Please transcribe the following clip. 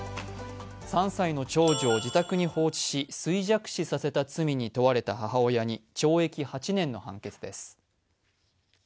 ３歳の長女を自宅に放置し衰弱死させた罪に問われた母親に懲役８年の判決です。